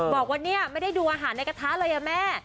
บอกว่าเนี่ยไม่ได้ดูอาหารในกระทะเลยอะแม่